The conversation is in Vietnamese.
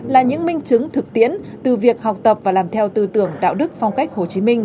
là những minh chứng thực tiễn từ việc học tập và làm theo tư tưởng đạo đức phong cách hồ chí minh